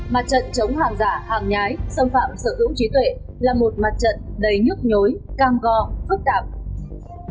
mặt trận chống hàng giả hàng nhái xâm phạm sở hữu trí tuệ là một mặt trận đầy nhức nhối càng gò phức tạp